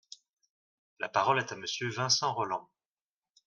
La parole est à Monsieur Vincent Rolland.